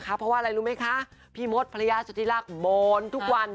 เพราะว่าอะไรรู้ไหมคะพี่มดภรรยาสุธิรักษ์โบนทุกวัน